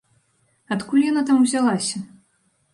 Адкуль яна там узялася?